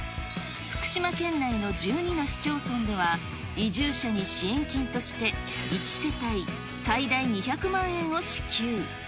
福島県内の１２の市町村では、移住者に支援金として、１世帯最大２００万円を支給。